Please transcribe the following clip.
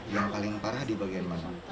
yang paling parah di bagian mana